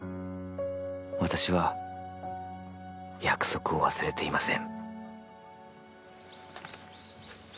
私は約束を忘れていません。